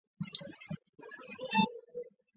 越谷湖城站武藏野线的铁路车站。